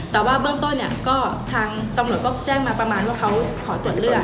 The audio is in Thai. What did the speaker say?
แต่ว่าเบื้องต้นเนี่ยก็ทางตำรวจก็แจ้งมาประมาณว่าเขาขอตรวจเลือด